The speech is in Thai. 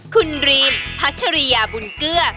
คุณรีมพัชริยาบุญเกลือ